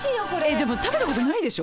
でも食べた事ないでしょ？